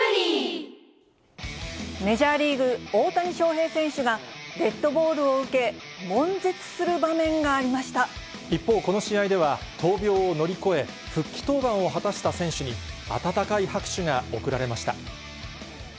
メジャーリーグ、大谷翔平選手が、デッドボールを受け、一方、この試合では闘病を乗り越え、復帰登板を果たした選手に、温かい拍手が送られました。